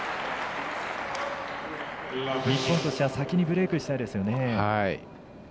日本チームとしては先にブレークしたいですよね。